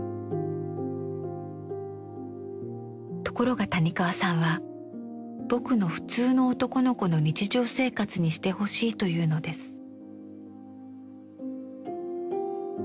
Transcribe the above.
ところが谷川さんは「『ぼく』の普通の男の子の日常生活」にしてほしいというのです。